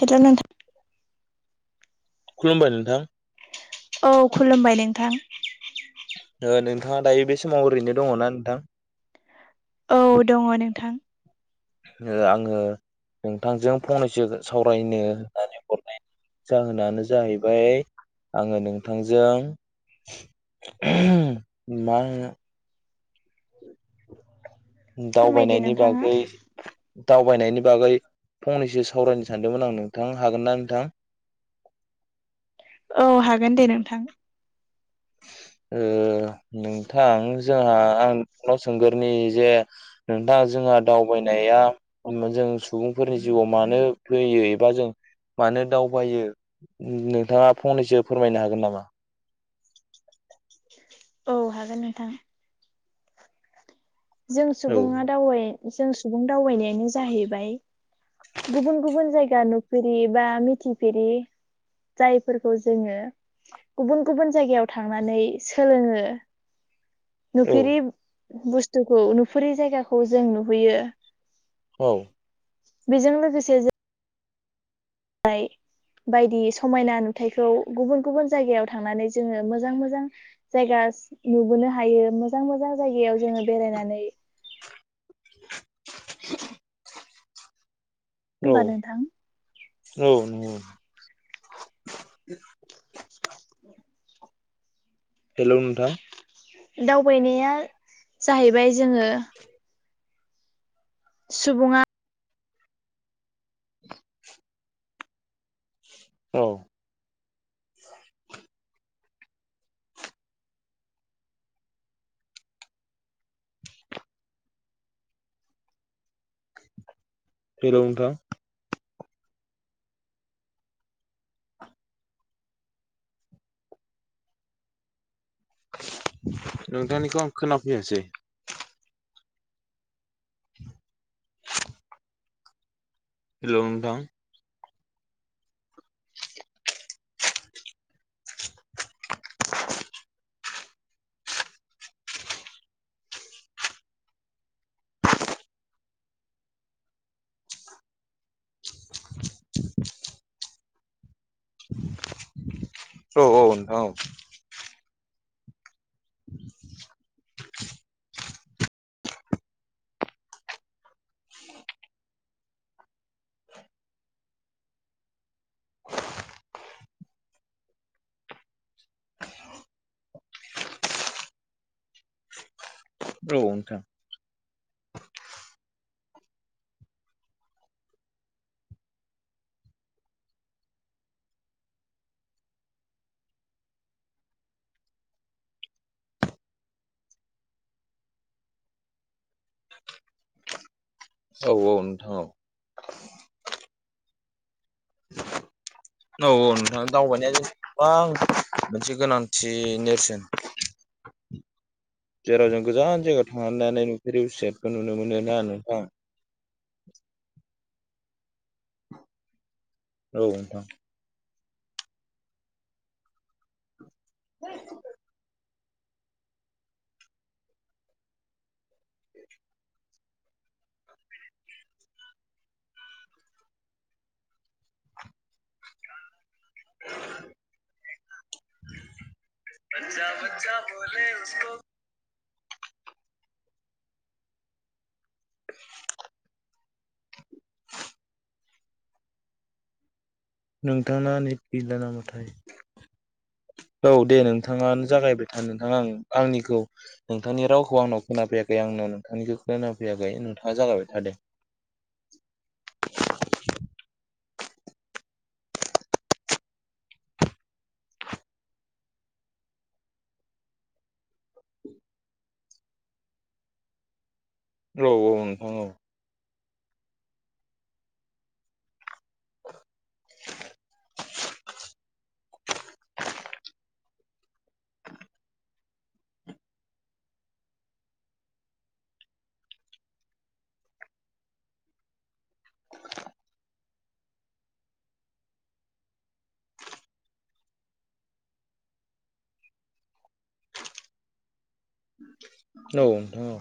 Hello नोंथां खुलुमबाय नोंथां औ खुलुमबाय नोंथां ओ नोंथाङा दायो बे समाव ओरैनो दङना नोंथां? औ दङ नोंथां ओ आङो नोंथांजों फंनैसो सावरायनो होननानै हरनाय जाहोनानो जाहैबाय आङो नोंथांजों माहो [inaudible] फोरमायदो दावबायनायनि नोंथाङा बागै दावबायनायनि बागै फंनैसो सावरायनो सानदोंमोन आं नोंथां हागोनना नोंथां? [inaudible] औ हागोन दे नोंथां ओ नोंथां जोंहा आं नोंथांनाव सोंगोरनि जे नोंथां जोंहा दावबायनाया ओम जों सुबुंफोरनि जिउआव मानो फैयो एबा जों मानो दावबायो ओ नोंथाङा फंनैसो फोरमायनो हागोन नामा? औ हागोन नोंथां। जों औ सुबुङा दावबाय जों सुबुं दावबायनायानो जाहैबाय गुबुन गुबुन जायगा नुफेरि बा मिथिफेरि जायफोरखौ जोङो गुबुन गुबुन जायगायाव थांनानै सोलोङो औ नुफेरै बुस्थुखौ नुफेरै जायगाखौ जों नुहैयो औ बेजों लोगोसे जों [unintelligible] हाय बायदि समायना नुथायखौ गुबुन गुबुन जायगायाव थांनानै जोङो मोजां मोजां जायगा नुबोनो हायो मोजां मोजां जायगायाव जोङो बेरायनानै [inaudible] औ होमबा नोंथां औ नंगौ। [inaudible] हेलौ नोंथां दावबायनाया जाहैबाय जोङो सुबुङा [inaudible] औ [unintelligible] रौ नोंथां नोंथांनिखौ आं खोनाफैयासै हेलौ' नोंथां [inaudible] औ औ नोंथां औ [inaudible] औ नोंथां औ औ नोंथां औ [inaudible] औ औ नोंथां दावबायनाया बा मोनसे गोनांथि नेरसोन [inaudible] जेराव जों गोजान जायगायाव थांनानै नुफेरि बेसादखौ नुनो मोनो ना नोंथां [inaudible] औ नोंथां [inaudible] [inaudible] [inaudible] [inaudible] नोंथाना नेट गैला नामाथाय औ दे नोंथाङानो जागायबाय था नोंथाङा आं आंनिखौ नोंथांनि रावखौ आंनाव खोनाफैयाखै आं आं नोंथांनिखौ खोना फैयाखै नोंथाङा जागाबाय था दे [inaudible] औ औ नोंथां औ औ नोंथां औ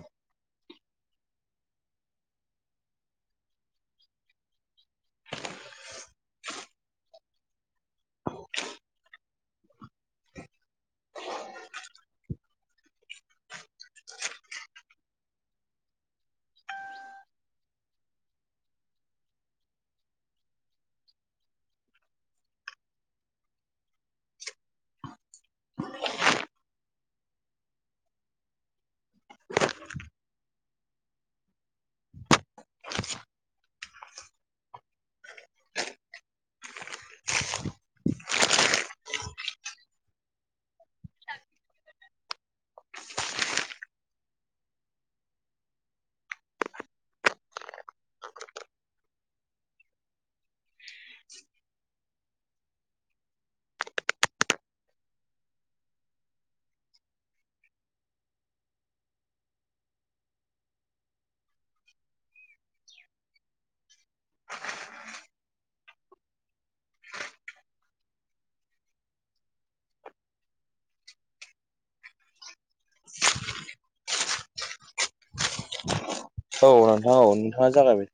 औ नोंथां औ नोंथाङा जागायबाय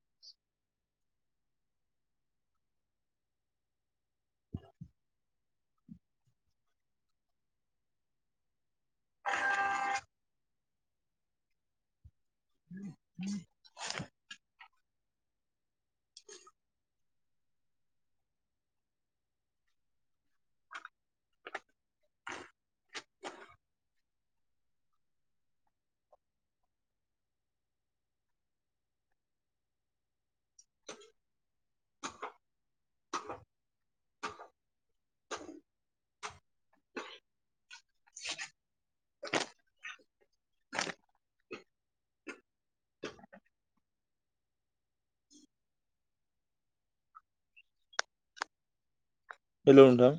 [inaudible] [inaudible] हेलौ नोंथां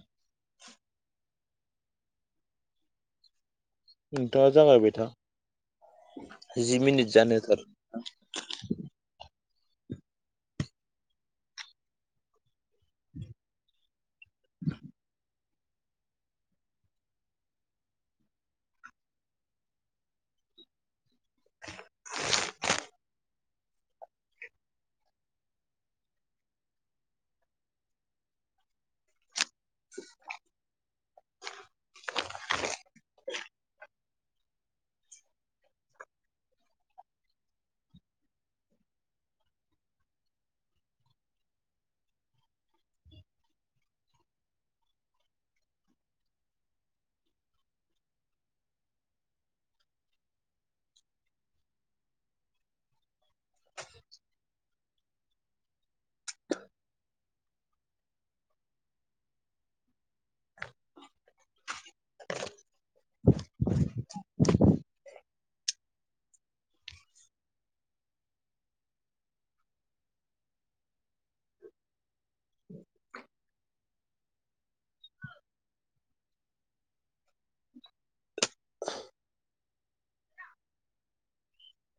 नोंथाङा जागायबाय था जि मिनिट जानो होथार